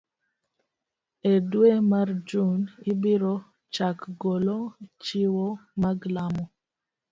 E dwe mar Jun, ibiro chak golo chiwo mag lamo